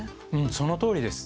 そのとおりです。